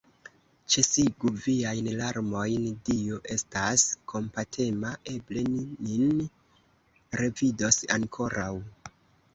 Ĉesigu viajn larmojn, Dio estas kompatema, eble ni nin revidos ankoraŭ!